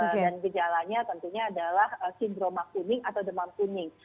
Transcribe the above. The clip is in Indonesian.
dan gejalanya tentunya adalah sindroma kuning atau demam kuning